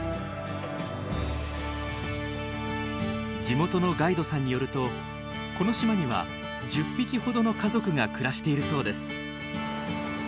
地元のガイドさんによるとこの島には１０匹ほどの家族が暮らしているそうです。